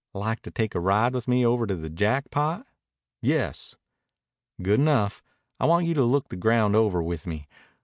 "Like to take a ride with me over to the Jackpot?" "Yes." "Good enough. I want you to look the ground over with me.